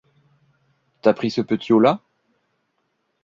T’as pris ce petiot-là?